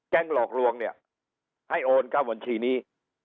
แก๊งหลอกลวงเนี้ยให้โอนการบัญชีนี้